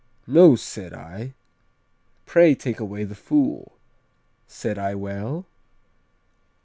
"'No,' said I, 'pray take away the fool. Said I well?'